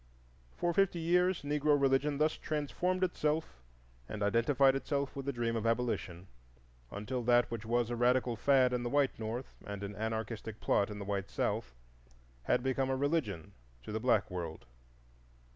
For fifty years Negro religion thus transformed itself and identified itself with the dream of Abolition, until that which was a radical fad in the white North and an anarchistic plot in the white South had become a religion to the black world.